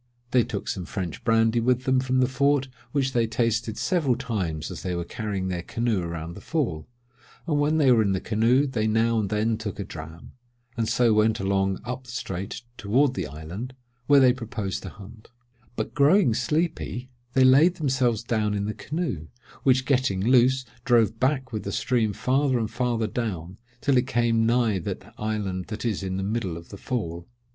They took some French brandy with them from the fort, which they tasted several times as they were carrying their canoe around the Fall; and when they were in the canoe, they now and then took a dram, and so went along up the strait toward the island where they proposed to hunt; but growing sleepy, they laid themselves down in the canoe, which getting loose, drove back with the stream farther and farther down, till it came nigh that island that is in the middle of the Fall.